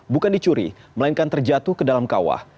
bukan dicuri melainkan terjatuh ke dalam kawah